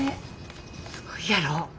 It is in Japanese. すごいやろ？